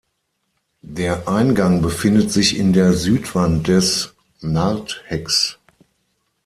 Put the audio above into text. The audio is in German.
Der Eingang befindet sich in der Südwand des Narthex.